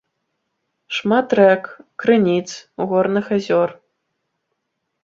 Шмат рэк, крыніц, горных азёр.